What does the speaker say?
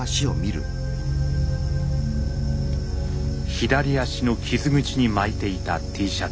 左足の傷口に巻いていたＴシャツ。